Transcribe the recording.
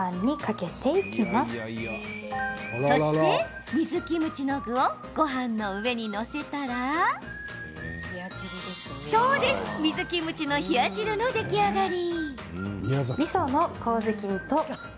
そして水キムチの具をごはんの上に載せたら水キムチの冷や汁の出来上がり。